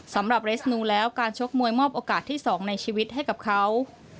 สำหรับเรสนูแล้วการชกมวยมอบโอกาสที่๒ในชีวิตให้กับเขา